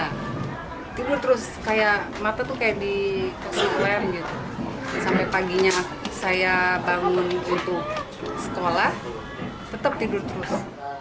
sampai paginya saya bangun untuk sekolah tetap tidur terus